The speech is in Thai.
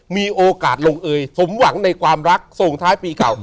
มีโอกาสลงเอยสมหวังในความรักส่งท้ายปีเก่า